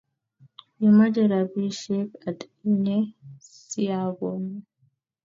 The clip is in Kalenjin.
Imache rapishek ata inye siakonin